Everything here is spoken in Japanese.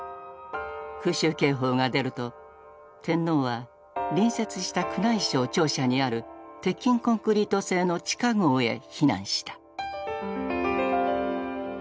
空襲警報が出ると天皇は隣接した宮内省庁舎にある鉄筋コンクリート製の地下壕へ避難した。